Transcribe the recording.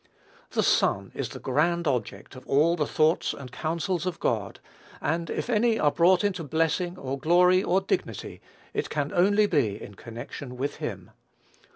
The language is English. THE SON is the grand object of all the thoughts and counsels of God: and if any are brought into blessing, or glory, or dignity, it can only be in connection with him.